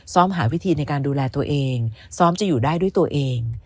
หาวิธีในการดูแลตัวเองซ้อมจะอยู่ได้ด้วยตัวเอง